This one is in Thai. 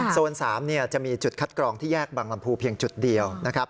โซน๓จะมีจุดคัดกรองที่แยกบังลำพูเพียงจุดเดียวนะครับ